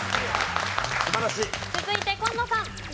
続いて紺野さん。